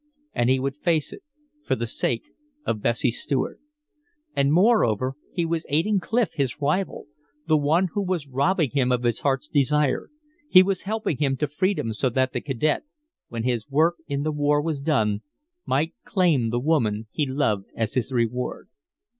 And he would face it for the sake of Bessie Stuart. And moreover, he was aiding Clif, his rival, the one who was robbing him of his heart's desire; he was helping him to freedom so that the cadet, when his work in the war was done, might claim the woman he loved as his reward.